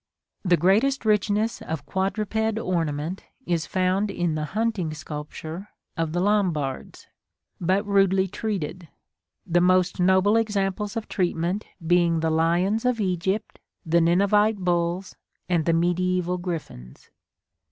The greatest richness of quadruped ornament is found in the hunting sculpture of the Lombards; but rudely treated (the most noble examples of treatment being the lions of Egypt, the Ninevite bulls, and the mediæval griffins).